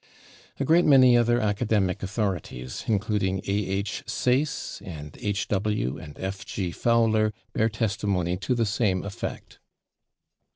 " A great many other academic authorities, including A. H. Sayce and H. W. and F. G. Fowler, bear testimony to the same effect.